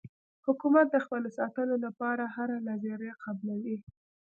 حکومت د خپل ساتلو لپاره هره نظریه قبلوي.